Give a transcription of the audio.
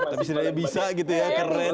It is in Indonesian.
tapi sebenarnya bisa gitu ya keren ya